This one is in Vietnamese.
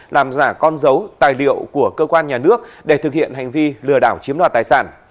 làm giả con dấu tài liệu của cơ quan nhà nước để thực hiện hành vi lừa đảo chiếm đoạt tài sản